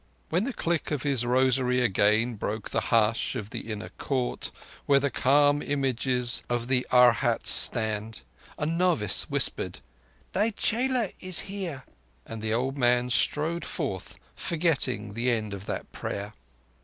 When the click of his rosary again broke the hush of the inner court where the calm images of the Arhats stand, a novice whispered, "Thy chela is here," and the old man strode forth, forgetting the end of that prayer.